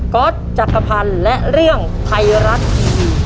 ก๊อตจักรพันธ์และเรื่องไทยรัฐทีวี